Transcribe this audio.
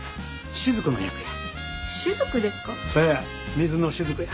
水の滴や。